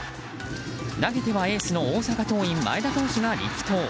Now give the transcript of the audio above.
投げてはエースの大阪桐蔭前田投手が力投。